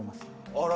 あら。